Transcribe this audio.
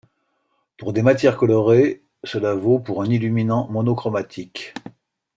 Pour des matières colorées, cela vaut pour un illuminant monochromatique.